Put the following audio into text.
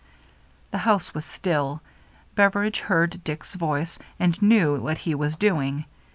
The house was still. Beveridge heard Dick's voice, and knew what he was doing.